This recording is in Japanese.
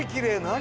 何？